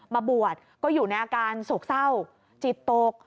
มาบวชก็อยู่ในอาการโศกเศร้าจิตตก